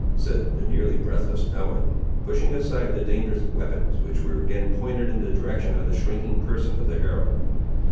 said the nearly breathless Ellen, pushing aside the dangerous weapons which were again pointed in the direction of the shrinking person of the herald.